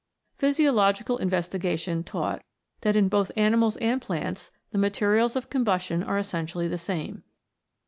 Physiological investiga tion taught that in both animals and plants the materials of combustion are essentially the same.